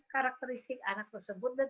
karakteristik anak tersebut dan